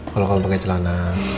kalau kalau pake celana